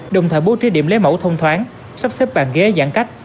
đồng thời bố trí điểm lấy mẫu thông thoáng sắp xếp bàn ghế giãn cách